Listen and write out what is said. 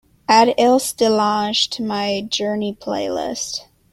Add ilse delange to my journey playlist